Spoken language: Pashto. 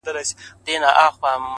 د خوار د ژوند كيسه ماتـه كړه ـ